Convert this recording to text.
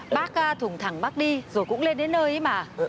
bác thùng thẳng bác đi rồi cũng lên đến nơi ấy mà